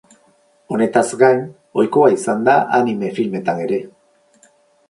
Honetaz gain ohikoa izan da anime filmetan ere.